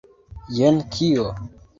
Jen kio!